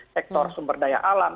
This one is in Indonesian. sektor sumber daya alam